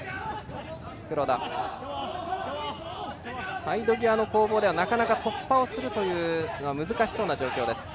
サイド際の攻防ではなかなか突破するのは難しそうな状況です。